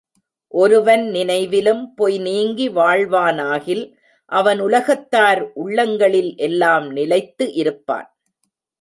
ஒருவன் நினைவிலும் பொய் நீங்கி வாழ்வானாகில் அவன் உலகத்தார் உள்ளங்களில் எல்லாம் நிலைத்து இருப்பான்.